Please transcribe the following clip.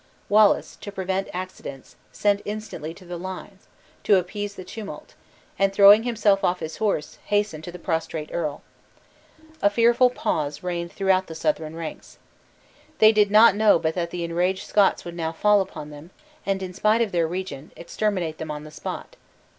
Wallace, to prevent accidents, sent instantly to the lines, to appease the tumult, and throwing himself off his horse, hastened to the prostrate earl. A fearful pause reigned throughout the Southron ranks. They did not know but that the enraged Scots would now fall on them, and, in spite of their regent, exterminate them on the spot.